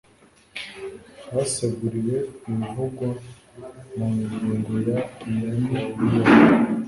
Haseguriwe ibivugwa mu ngingo ya iya n iya